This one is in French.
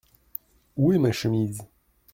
Où est ma chemise ?